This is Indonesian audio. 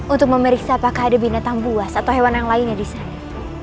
untuk memeriksa apakah ada binatang buas atau hewan yang lainnya di sana